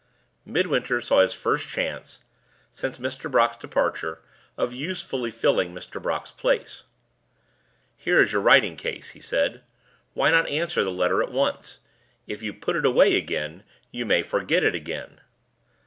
Midwinter saw his first chance, since Mr. Brock's departure, of usefully filling Mr. Brock's place. "Here is your writing case," he said; "why not answer the letter at once? If you put it away again, you may forget it again."